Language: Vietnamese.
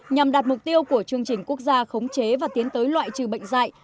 nhằm đạt mục tiêu của chương trình quốc gia khống chế và tiến tới loại trừ bệnh dạy